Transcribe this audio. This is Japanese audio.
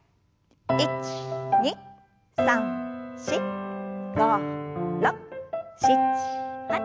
１２３４５６７８。